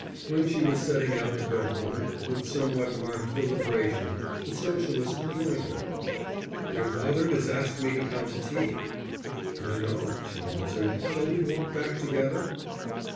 When she was setting out to go home, with somewhat marked deliberation, the Socialist joined her. "Your father has asked me to come to tea." "I know," she answered. "Shall we walk back together?"